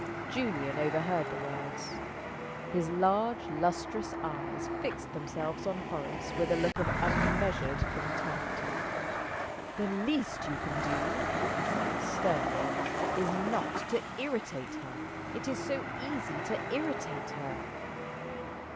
Julian overheard the words. His large lustrous eyes fixed themselves on Horace with a look of unmeasured contempt. "The least you can do," he said, sternly, "is not to irritate her. It is so easy to irritate her!"